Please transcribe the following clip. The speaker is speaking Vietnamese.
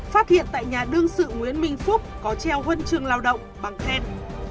phát hiện tại nhà đương sự nguyễn minh phúc có treo huân trường lao động bằng khen